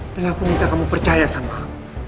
dan aku minta kamu percaya sama aku